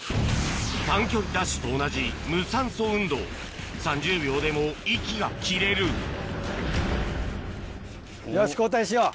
短距離ダッシュと同じ３０秒でも息が切れるよし交代しよう。